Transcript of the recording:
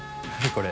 これ。